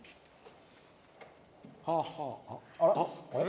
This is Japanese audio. あれ？